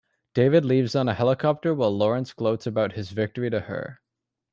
David leaves on a helicopter while Lawrence gloats about his victory to her.